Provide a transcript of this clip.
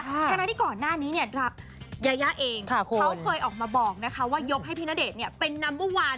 ทั้งที่ก่อนหน้านี้เนี่ยยายาเองเขาเคยออกมาบอกว่ายกให้พี่ณเดชน์เป็นนัมเบอร์วัน